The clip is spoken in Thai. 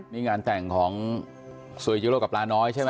นี่งานแต่งของซูฮิโร่กับปลาน้อยใช่ไหม